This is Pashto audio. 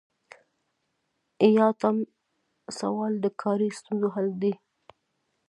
ایاتیام سوال د کاري ستونزو حل دی.